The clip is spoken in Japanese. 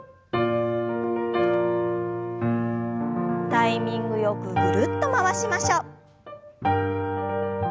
タイミングよくぐるっと回しましょう。